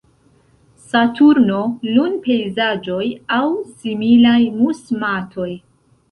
Saturno, lunpejzaĝoj, aŭ similaj mus-matoj.